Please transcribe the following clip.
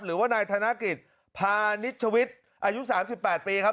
หรือว่านายธนกฤษพานิชวิทย์อายุ๓๘ปีครับ